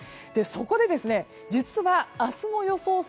そこで、実は明日の予想